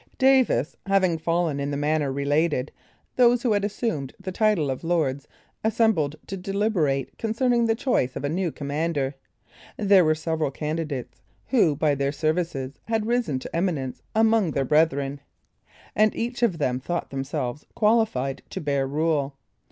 Davis having fallen in the manner related, those who had assumed the title of Lords assembled to deliberate concerning the choice of a new commander. There were several candidates, who, by their services, had risen to eminence among their breathren, and each of them thought themselves qualified to bear rule.